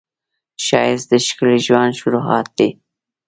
ښایست د ښکلي ژوند شروعات دی